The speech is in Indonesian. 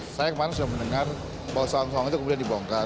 saya kemarin sudah mendengar bahwa sawang sawang itu kemudian dibongkar